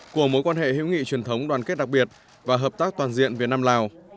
của mối quan hệ hữu nghị truyền thống đoàn kết đặc biệt và hợp tác toàn diện việt nam lào